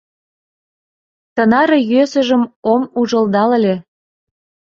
Тынаре йӧсыжым ом ужылдал ыле.